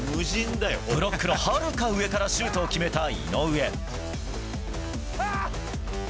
ブロックのはるか上からシュートを決めた井上。